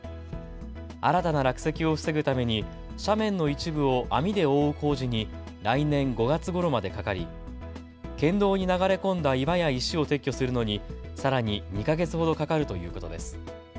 新たな落石を防ぐために斜面の一部を網で覆う工事に来年５月ごろまでかかり県道に流れ込んだ岩や石を撤去するのに、さらに２か月ほどかかるということです。